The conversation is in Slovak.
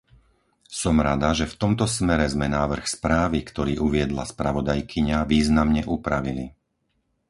Som rada, že v tomto smere sme návrh správy, ktorý uviedla spravodajkyňa, významne upravili.